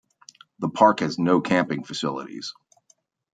The park has no camping facilities.